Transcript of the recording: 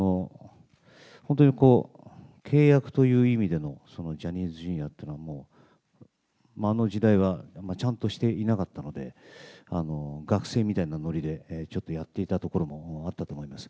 本当にこう、契約という意味でのジャニーズＪｒ．っていうのは、もうあの時代はちゃんとしていなかったので、学生みたいなのりでちょっとやっていたところもあったと思います。